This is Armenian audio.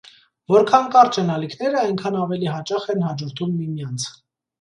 Որքան կարճ են ալիքները, այնքան ավելի հաճախ են հաջորդում միմյանց։